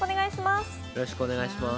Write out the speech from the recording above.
よろしくお願いします。